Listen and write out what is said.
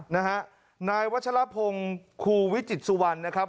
นะฮะนายวัชลพงศ์ครูวิจิตสุวรรณนะครับ